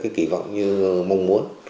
cái kỳ vọng như mong muốn